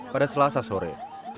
pada selasa sore